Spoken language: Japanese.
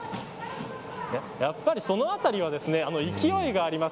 やっぱりそのあたりは勢いがあります。